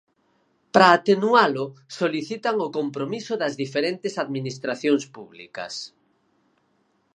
Para atenualo, solicitan o compromiso das diferentes administracións públicas.